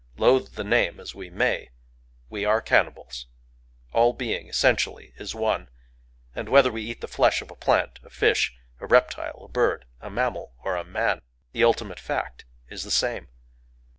Loathe the name as we may, we are cannibals;—all being essentially is One; and whether we eat the flesh of a plant, a fish, a reptile, a bird, a mammal, or a man, the ultimate fact is the same.